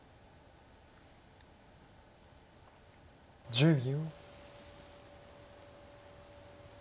１０秒。